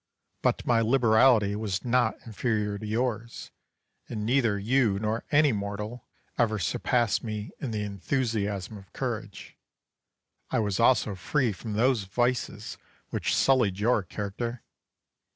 But my liberality was not inferior to yours; and neither you nor any mortal ever surpassed me in the enthusiasm of courage. I was also free from those vices which sullied your character.